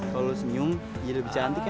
kalau senyum jadi lebih cantik ya